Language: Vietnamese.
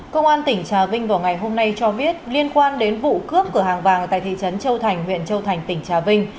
công an tỉnh trà vinh vào ngày hôm nay cho biết liên quan đến vụ cướp cửa hàng vàng tại thị trấn châu thành huyện châu thành tỉnh trà vinh